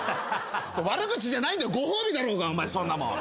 悪口じゃないんだよご褒美だろうがお前そんなもん。